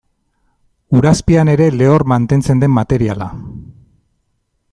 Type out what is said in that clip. Ur azpian ere lehor mantentzen den materiala.